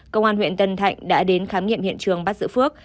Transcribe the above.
công an huyện tân thạnh đã đến khám nghiệm hiện trường bắt giữ phước